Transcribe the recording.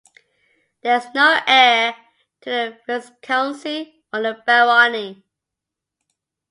There is no heir to the viscountcy or the barony.